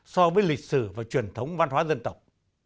so với lịch sử và truyền thống văn hóa dân tộc